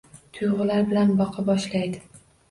Tuygʻulari bilan boqa boshlaydi